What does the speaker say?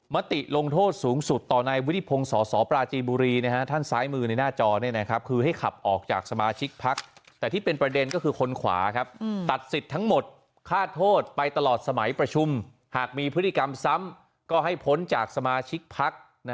มติลงโทษสูงสุดต่อในวิทยาพงศ์สอสอปลาจีบุรีนะฮะท่านซ้ายมือในหน้าจอที่นี่นะครับคือให้ขับออกจากสมาชิกพัก